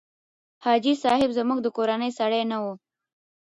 حاجي صاحب زموږ د کورنۍ سړی نه و.